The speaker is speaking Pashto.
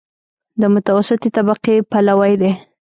د متوسطې طبقې پلوی دی.